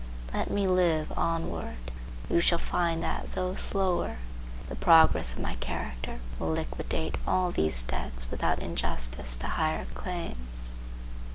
Let me live onward; you shall find that, though slower, the progress of my character will liquidate all these debts without injustice to higher claims.